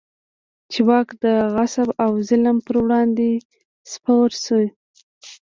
چې د واک د غصب او ظلم پر وړاندې سپر شي.